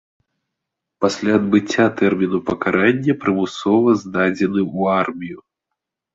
Пасля адбыцця тэрміну пакарання прымусова здадзены ў армію.